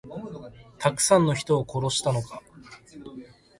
たくさんの人を殺したのか。